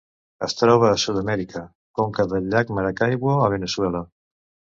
Es troba a Sud-amèrica: conca del llac Maracaibo a Veneçuela.